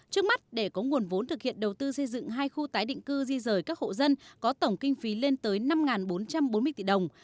trước mắt để có nguồn vốn thực hiện đầu tư xây dựng hai khu tái định cư di rời các hộ dân có tổng kinh phí lên tới năm bốn trăm bốn mươi tỷ đồng